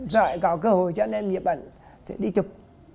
rồi có cơ hội cho nên mình sẽ đi chụp